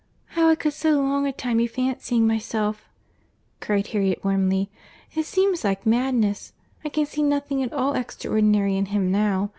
"How I could so long a time be fancying myself!..." cried Harriet, warmly. "It seems like madness! I can see nothing at all extraordinary in him now.